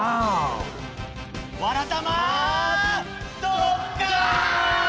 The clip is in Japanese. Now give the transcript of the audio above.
「わらたま」。「ドッカン」！